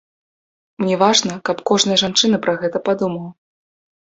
Мне важна, каб кожная жанчына пра гэта падумала.